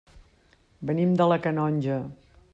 Venim de la Canonja.